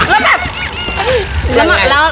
แล้วแบบ